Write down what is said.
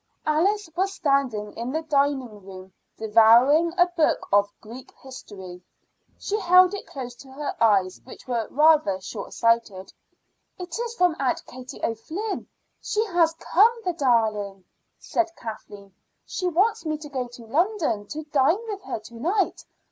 Alice was standing in the dining room devouring a book of Greek history. She held it close to her eyes, which were rather short sighted. "It's from Aunt Katie O'Flynn. She has come, the darling!" said Kathleen. "She wants me to go to London to dine with her to night.